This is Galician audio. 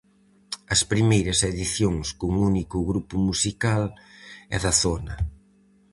As primeiras edicións cun único grupo musical e da zona.